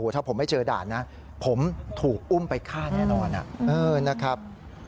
ถ้าผมไม่เจอด่านนะผมถูกอุ้มไปฆ่าแน่นอนนะครับ